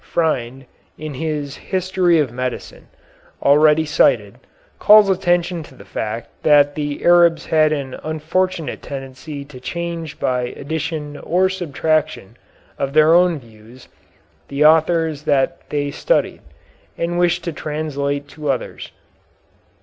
Freind, in his "History of Medicine," already cited, calls attention to the fact that the Arabs had an unfortunate tendency to change by addition or subtraction of their own views the authors that they studied, and wished to translate to others.